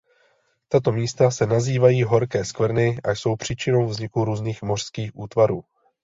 Tato místa se nazývají "horké skvrny" a jsou příčinou vzniku různých mořských útvarů.